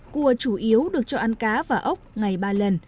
cua chủ yếu được cho ăn cá và ốc ngày ba lần